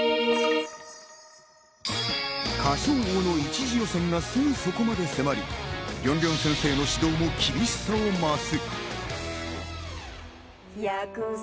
『歌唱王』の一次予選がすぐそこまで迫り、りょんりょん先生の指導も厳しさを増す。